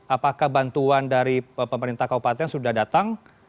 apakah bantuan dari pemerintah kabupaten sudah datang